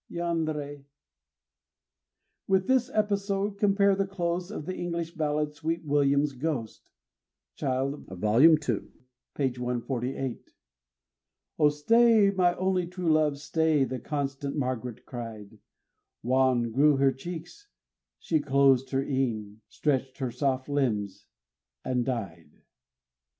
Yanrei! With this episode compare the close of the English ballad "Sweet William's Ghost" (Child: vol. ii., page 148): "O stay, my only true love, stay!" The constant Margaret cried: Wan grew her cheeks; she closed her een, Stretched her soft limbs, and died.